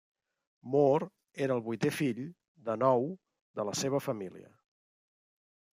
Moore era el vuitè fill de nou de la seva família.